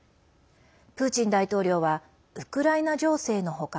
プーチン大統領はウクライナ情勢の他